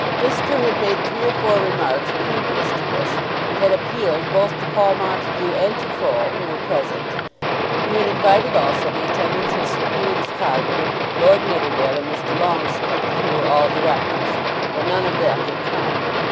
Fisker had made three or four remarks previous to this, and had appealed both to Paul Montague and to Croll, who were present. He had invited also the attendance of Sir Felix Carbury, Lord Nidderdale, and Mr. Longestaffe, who were all Directors; but none of them had come.